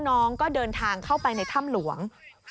น้องก็เดินทางเข้าไปในถ้ำหลวง